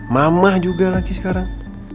mama juga lagi sekarang